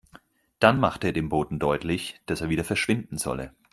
Dann machte er dem Boten deutlich, dass er wieder verschwinden solle.